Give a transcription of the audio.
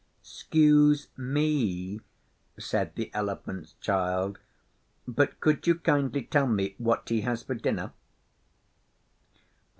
''Scuse me,' said the Elephant's Child, 'but could you kindly tell me what he has for dinner?